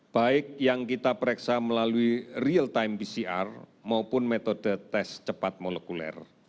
baik yang kita pereksa melalui real time pcr maupun metode tes cepat molekuler